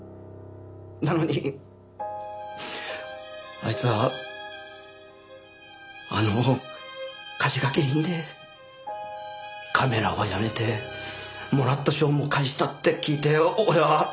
なのにあいつはあの火事が原因でカメラはやめてもらった賞も返したって聞いて俺は。